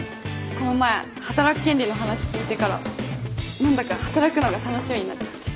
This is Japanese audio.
この前働く権利の話聞いてから何だか働くのが楽しみになっちゃって。